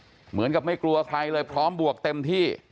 เหมือนกับไม่กลัวใครเลยพร้อมบวกเต็มที่